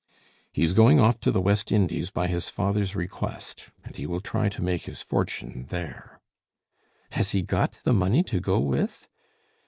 "He is going off to the West Indies by his father's request, and he will try to make his fortune there." "Has he got the money to go with?"